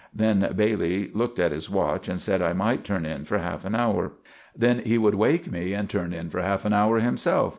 Then Bailey looked at his watch and sed I might turn in for half an hour. Then he would wake me and turn in for half an hour himself.